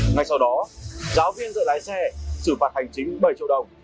ngay sau đó giáo viên dựa lái xe xử phạt hành chính bảy triệu đồng